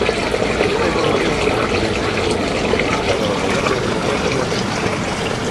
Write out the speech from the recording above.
Esta información foi mantida en segredo e nunca foi comunicada ao goberno democrático arxentino.